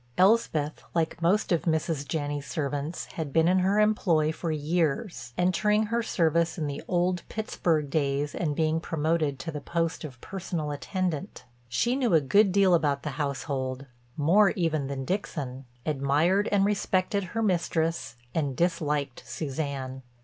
Elspeth, like most of Mrs. Janney's servants, had been in her employ for years, entering her service in the old Pittsburg days and being promoted to the post of personal attendant. She knew a good deal about the household, more even than Dixon, admired and respected her mistress and disliked Suzanne.